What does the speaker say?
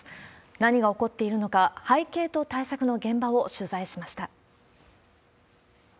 何が起こっているのか、背景と対策の現場を取材しました。